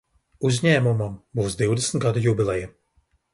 Uzņēmumam būs divdesmit gadu jubileja.